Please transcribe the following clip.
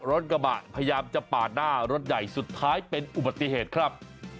รถกระบะพยายามจะปาดหน้ารถใหญ่สุดท้ายเป็นอุบัติเหตุครับ